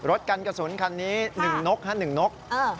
กันกระสุนคันนี้๑นก๑นก